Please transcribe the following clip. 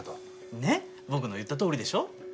ねっ僕の言ったとおりでしょ。